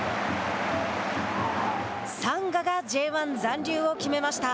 サンガがＪ１残留を決めました。